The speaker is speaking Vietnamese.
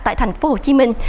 tại thành phố hồ chí minh